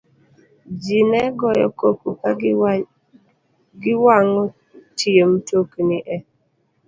Ji ne goyo koko ka giwang'o tie mtokni e